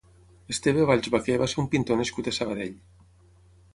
Esteve Valls Baqué va ser un pintor nascut a Sabadell.